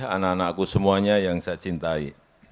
anak anakku semuanya yang saya cintai